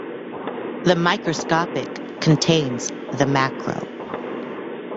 The microscopic contains the macro.